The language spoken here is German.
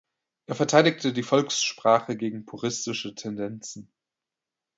Er verteidigte die Volkssprache gegen puristische Tendenzen.